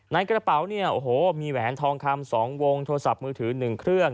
ในกระเป๋าเนี่ยโอ้โหมีแหวนทองคำ๒วงโทรศัพท์มือถือ๑เครื่อง